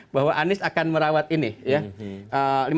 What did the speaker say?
bahwa anies akan merawat ini ya